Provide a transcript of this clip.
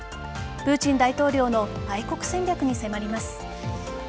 プーチン大統領の愛国戦略に迫ります。